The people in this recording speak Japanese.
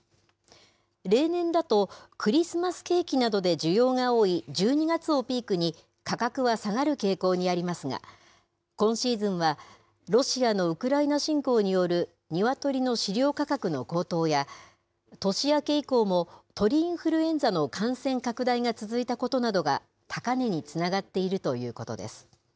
例年だと、クリスマスケーキなどで需要が多い１２月をピークに、価格は下がる傾向にありますが、今シーズンは、ロシアのウクライナ侵攻によるニワトリの飼料価格の高騰や、年明け以降も鳥インフルエンザの感染拡大が続いたことなどが高値につながっているということです。